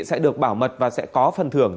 sẽ được bảo mật và sẽ có phần thưởng